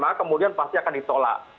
maka kemudian pasti akan ditolak